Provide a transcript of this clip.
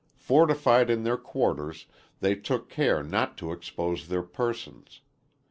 Fortified in their quarters, they took care not to expose their persons.